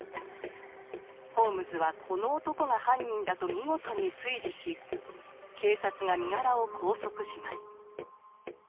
ホームズはこの男が犯人だと見事に推理し警察が身柄を拘束します。